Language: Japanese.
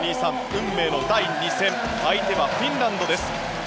運命の第２戦相手はフィンランドです。